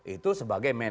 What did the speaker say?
itu sebagai menhan